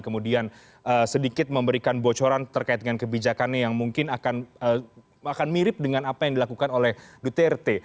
kemudian sedikit memberikan bocoran terkait dengan kebijakannya yang mungkin akan mirip dengan apa yang dilakukan oleh duterte